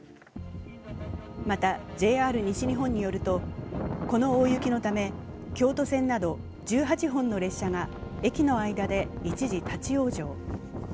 また、ＪＲ西日本によるとこの大雪のため京都線など１８本の列車が駅の間で一時立往生。